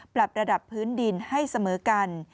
ปรับระดับพื้นดินให้เสมอกัน